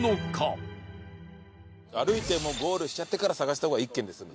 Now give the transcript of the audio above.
歩いてもうゴールしちゃってから探した方が１軒で済む。